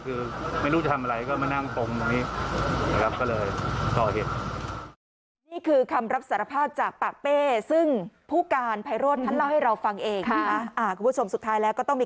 คือไม่มีวิจารณาที่แรกคือไม่รู้จะทำอะไรก็มานั่งตรงตรงนี้